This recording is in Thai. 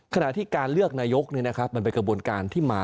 ขณะที่การเลือกนายกมันเป็นกระบวนการที่มา